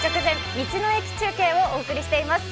道の駅中継」をお送りしています。